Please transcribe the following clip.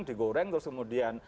digoreng terus kemudian